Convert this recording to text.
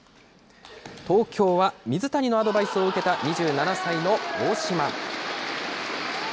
東京は水谷のアドバイスを受けた２７歳の大島。